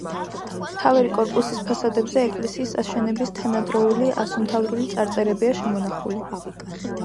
მთავარი კორპუსის ფასადებზე ეკლესიის აშენების თანადროული ასომთავრული წარწერებია შემონახული.